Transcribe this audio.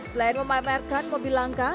selain memamerkan mobil langka